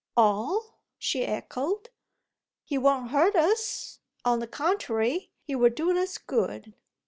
"All?" she echoed. "He won't hurt us. On the contrary he'll do us good."